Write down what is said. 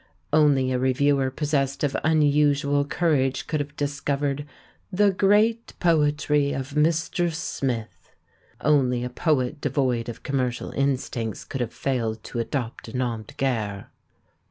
Only a reviewer possessed of unusual courage could have discovered "the great poetry of INIr. Smith." Only a poet devoid of commercial instincts could have failed to adopt a nom de guerre.